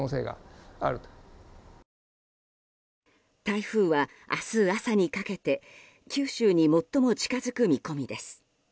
台風は明日朝にかけて九州に最も近づく見込みです。